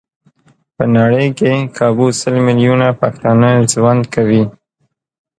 په نړۍ کې کابو سل ميليونه پښتانه ژوند کوي.